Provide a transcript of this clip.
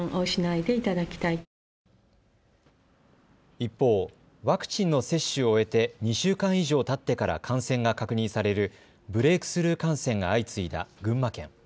一方、ワクチンの接種を終えて２週間以上たってから感染が確認されるブレイクスルー感染が相次いだ群馬県。